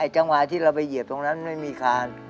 จังหวะที่เราไปเหยียบตรงนั้นไม่มีคาน